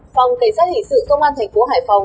phòng cảnh sát hình sự công an thành phố hải phòng